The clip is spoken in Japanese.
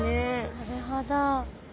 なるほど。